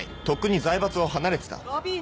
とっくに財閥を離れてた。